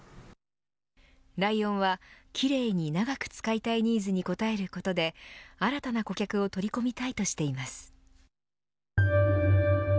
ライオンは奇麗に長く使いたいニーズに応えることで新たな顧客を取り込みたいとしています。